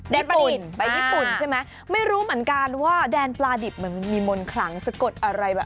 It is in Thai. ประเด็นไปญี่ปุ่นใช่ไหมไม่รู้เหมือนกันว่าแดนปลาดิบมันมีมนต์ขลังสะกดอะไรแบบ